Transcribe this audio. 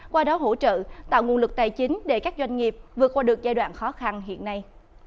qua đó hỗ trợ tạo nguồn lực tài chính để các doanh nghiệp vượt qua được giai đoạn khó khăn hiện nay